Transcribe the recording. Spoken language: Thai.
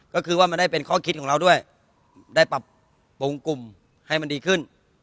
ก็คือว่ามันได้เป็นข้อคิดของเราด้วยได้ปรับปรุงกลุ่มให้มันดีขึ้น